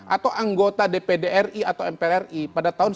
atau anggota dpdri atau mpri pada tahun sembilan puluh delapan sembilan puluh sembilan